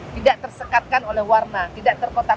tidak tersekatkan oleh warna tidak terkotak